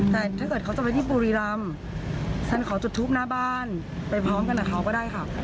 แต่ถ้าเกิดเขาจะไปที่บุรีรำฉันขอจุดทูปหน้าบ้านไปพร้อมกันกับเขาก็ได้ค่ะ